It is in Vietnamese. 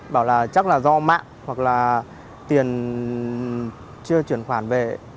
bảo là chắc là do mạng hoặc là tiền chưa chuyển khoản về